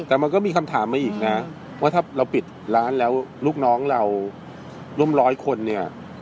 แต่มันก็มีคำถามมาอีกนะว่าถ้าเราปิดร้านแล้วลูกน้องเราร่วมร้อยคนเนี่ย